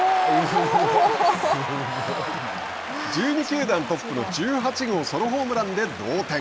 １２球団トップの１８号ソロホームランで同点。